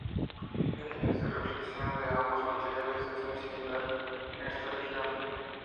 El índice de refracción de ambos materiales es muy similar en esta región.